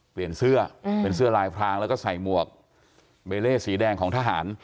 เปลี่ยนเสื้อเป็นเสื้อลายพรางแล้วก็ใส่หมวกเบเล่สีแดงของทหาร